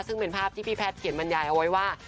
ซึ่งเป็นภาพที่พี่แพทย์เขียนบรรยายเอาไว้ว่า